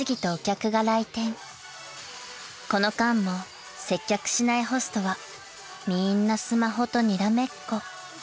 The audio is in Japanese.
［この間も接客しないホストはみんなスマホとにらめっこ］